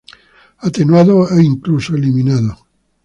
Atenuado o incluso eliminado.